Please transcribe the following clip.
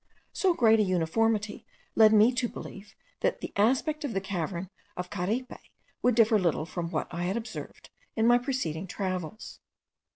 So great a uniformity led me to believe that the aspect of the cavern of Caripe would differ little from what I had observed in my preceding travels.